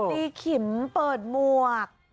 ขิมเปิดหมวก